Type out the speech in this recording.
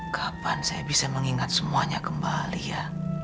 kapan saya bisa mengingat semuanya kembali ya